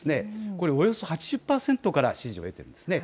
およそ８０％から支持を得ていますね。